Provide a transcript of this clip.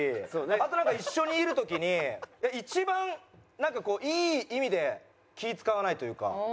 あとなんか一緒にいる時に一番なんかこういい意味で気ぃ使わないというか。